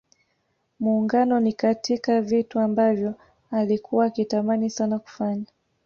Muungano ni katika vitu ambavyo alikua akitamani sana kufanya